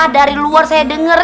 dari luar saya dengar